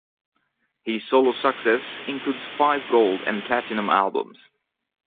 His solo success includes five gold and platinum albums.